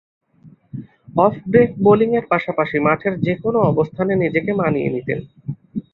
Of break বোলিংয়ের পাশাপাশি মাঠের যে-কোন অবস্থানে নিজেকে মানিয়ে নিতেন।